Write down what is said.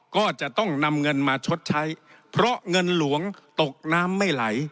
ก็จะต้องนำเงินมาชดใช้เพราะเงินหลวงตกน้ำไม่ไหล